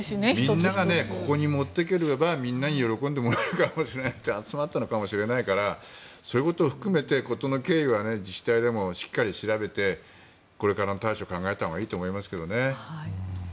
みんながここに持ってくれば喜んでくれるかもしれないと集まったのかもしれないからそういうことを含めて事の経緯は自治体でもしっかり調べてこれからの対処を考えたほうがいいと思いますけどね。